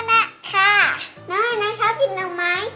น้ำหันนะใช่ชอบกินน้ำไม้